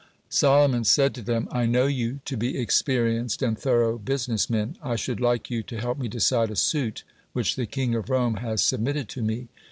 Solomon said to them: "I know you to be experienced and thorough business men. I should like you to help me decide a suit which the king of Rome has submitted to me.